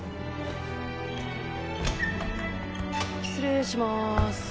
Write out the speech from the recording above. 失礼します。